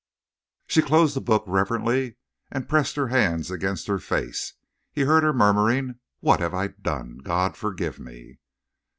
She closed the book reverently and pressed her hands against her face. He heard her murmuring: "What have I done? God forgive me!"